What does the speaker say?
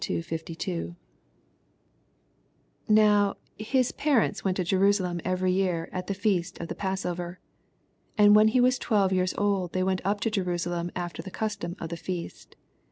41— 5*> 41 Now his parontB went to Jern Balem every year at the feast of the Passover. 42 And when he was twelve years old, they went up to Jerusalem after the custom of the feast.